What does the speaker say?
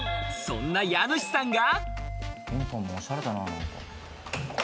そんな家主さんが。